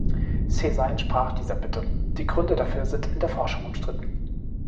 Caesar entsprach dieser Bitte; die Gründe dafür sind in der Forschung umstritten.